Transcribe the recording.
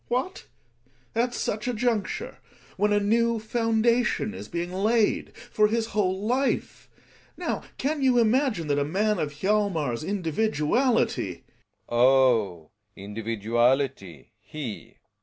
Gregers. What ! At such a j tincture, when a new foundation is being laid for his whole life. Now, can you imagine that a man of Hjalmar's individuality Relling. Oh! Individuality — he!